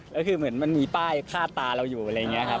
ก็คือเหมือนมันมีป้ายคาดตาเราอยู่อะไรอย่างนี้ครับ